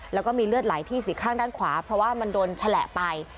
แล้วก็มีเลือดไหลที่สีข้างด้านขวาเพราะว่ามันโดนแฉละไป